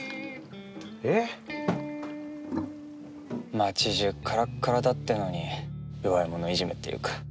街じゅうからっからだってのに弱い者いじめっていうか。